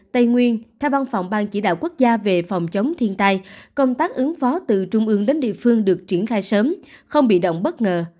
tây nguyên theo văn phòng ban chỉ đạo quốc gia về phòng chống thiên tai công tác ứng phó từ trung ương đến địa phương được triển khai sớm không bị động bất ngờ